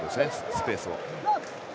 スペースを。